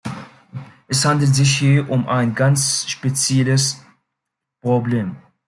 Es handelt sich hier um ein ganz spezielles Problem.